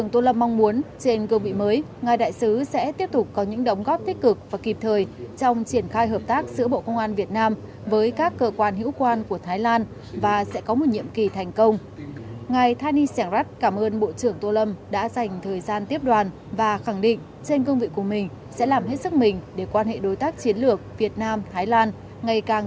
quan hệ giữa bộ công an việt nam với các cơ quan hữu quan của thái lan luôn được duy trì củng cố đem lại hiệu quả thiết thực nhất là hợp tác trao đổi thông tin tình hình tội phạm xuyên quốc gia phối hợp dụng lãnh thổ thái lan và ngược lại